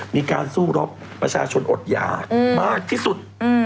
มีการสู้รบประชาชนอดหยากมากที่สุด